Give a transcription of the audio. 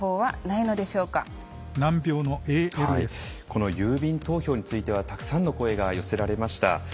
この郵便投票についてはたくさんの声が寄せられました。